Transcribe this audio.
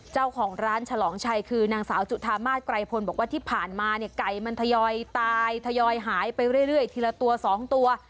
เจ้าของร้านฉลองชัยคือนางสาวจุธามาสไกรพลบอกว่าที่ผ่านมาเนี่ยไก่มันทยอยตายทยอยหายไปเรื่อยทีละตัว๒ตัว